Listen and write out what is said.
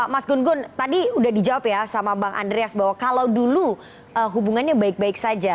mas gun gun tadi udah dijawab ya sama bang andreas bahwa kalau dulu hubungannya baik baik saja